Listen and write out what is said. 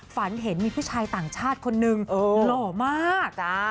ฝันเห็นมีผู้ชายต่างชาติคนนึงหล่อมาก